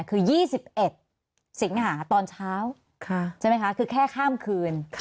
คือ๒๑สิงหาตอนเช้าใช่ไหมคะคือแค่ข้ามคืน